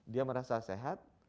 dia merasa sehat